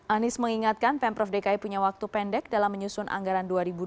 anies mengingatkan pemprov dki punya waktu pendek dalam menyusun anggaran dua ribu dua puluh